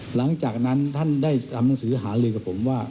หลังจากนั้นท่านได้ทำหนังสือหาลือกับผมว่า